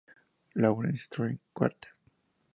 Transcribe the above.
Lawrence String Quartet.